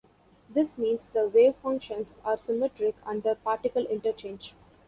This means the wave functions are symmetric under particle interchange.